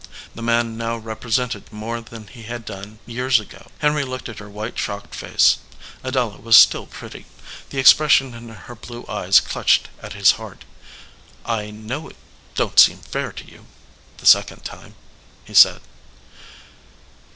The man now represented more than he had done years ago. Henry looked at her white shocked face. Adela was still pretty. The expression in her blue eyes clutched at his heart. "I know it don t seem fair to you the second time/" he said.